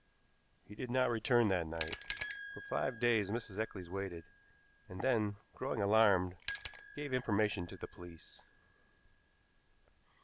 He did not return that night. For five days Mrs. Eccles waited, and then, growing alarmed, gave information to the police.